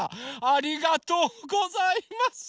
ありがとうございます！